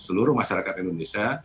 bahwa pemerintah dan masyarakat indonesia